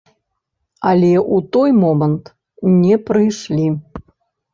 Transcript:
Але ў той момант не прыйшлі.